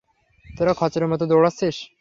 তোরা খচ্চরের মতো দৌড়াচ্ছিস।